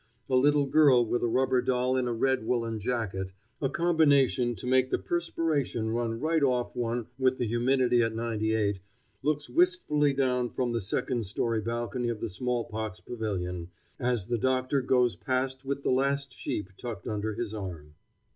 A little girl with a rubber doll in a red woolen jacket a combination to make the perspiration run right off one with the humidity at 98 looks wistfully down from the second story balcony of the smallpox pavilion, as the doctor goes past with the last sheep tucked under his arm.